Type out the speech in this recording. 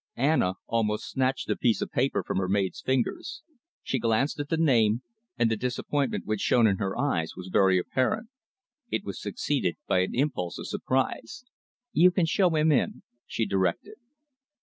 Anna almost snatched the piece of paper from her maid's fingers. She glanced at the name, and the disappointment which shone in her eyes was very apparent. It was succeeded by an impulse of surprise. "You can show him in," she directed.